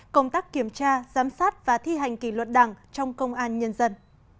công tác kiểm tra giám sát và thi hành kỷ luật đảng trong công an nhân dân